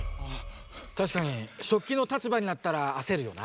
たしかにしょっきの立場になったらあせるよな。